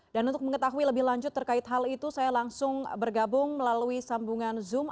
dan untuk mengetahui lebih lanjut terkait hal itu saya langsung bergabung melalui sambungan zoom